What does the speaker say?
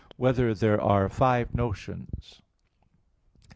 3] Whether There Are Five Notions?